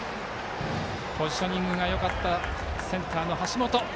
ポジショニングがよかったセンターの橋本。